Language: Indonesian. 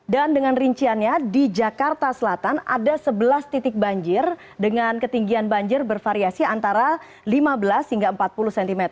dan dengan rinciannya di jakarta selatan ada sebelas titik banjir dengan ketinggian banjir bervariasi antara lima belas hingga empat puluh cm